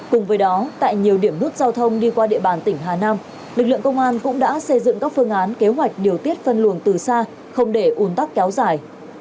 cùng với đó tại nhiều điểm nút giao thông đi qua địa bàn tỉnh hà nam lực lượng công an cũng đã xây dựng các phương án kế hoạch điều tiết phân luồng từ xa không để ủn tắc kéo dài